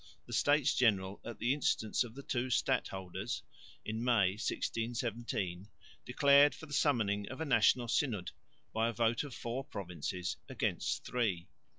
The States General at the instance of the two stadholders, May, 1617, declared for the summoning of a National Synod by a vote of four provinces against three.